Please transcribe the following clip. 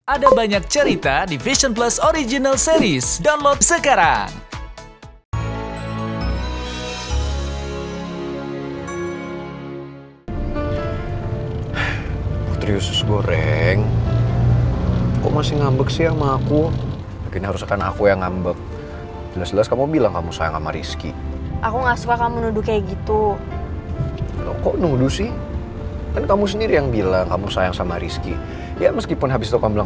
ada banyak cerita di vision plus original series download sekarang